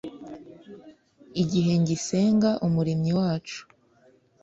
igihe ngisenga umuremyi wacu